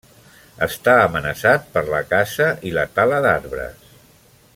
Està amenaçat per la caça i la tala d'arbres.